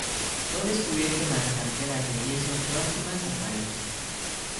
Fue descubierto en las canteras de yeso próximas a París.